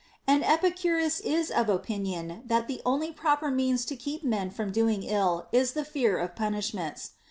And Epicurus is of opinion that the only proper means to keep men from doing ill is the fear of punishments.